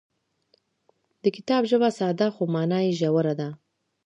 د کتاب ژبه ساده خو مانا یې ژوره ده.